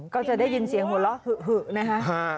ก็จะได้ยินเสียงหัวเราะหึนะคะ